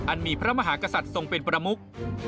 มีพระมหากษัตริย์ทรงเป็นประมุก